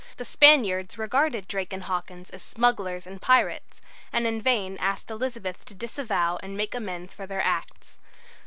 The Spaniards regarded Drake and Hawkins as smugglers and pirates, and in vain asked Elizabeth to disavow and make amends for their acts.